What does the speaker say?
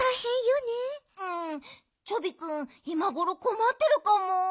うんチョビくんいまごろこまってるかも。